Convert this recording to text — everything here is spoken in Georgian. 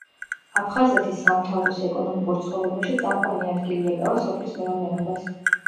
აფხაზეთის სამთავროს ეკონომიკურ ცხოვრებაში წამყვანი ადგილი ეკავა სოფლის მეურნეობას.